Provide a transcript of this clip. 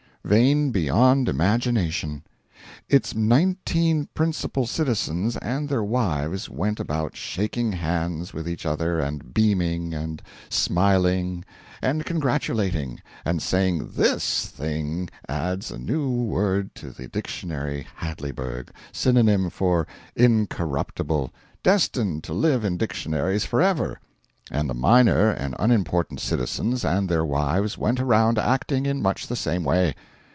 Vain beyond imagination. Its nineteen principal citizens and their wives went about shaking hands with each other, and beaming, and smiling, and congratulating, and saying THIS thing adds a new word to the dictionary HADLEYBURG, synonym for INCORRUPTIBLE destined to live in dictionaries for ever! And the minor and unimportant citizens and their wives went around acting in much the same way.